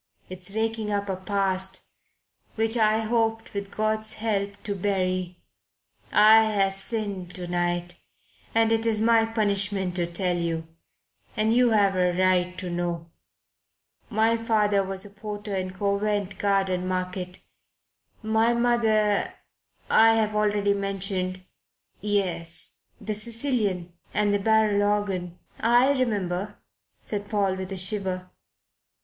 "It's raking up a past which I had hoped, with God's help, to bury. But I have sinned to night, and it is my punishment to tell you. And you have a right to know. My father was a porter in Covent Garden Market. My mother I've already mentioned " "Yes the Sicilian and the barrel organ I remember," said Paul, with a shiver.